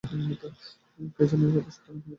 কে জানে একথা সত্য কি মিথ্যা।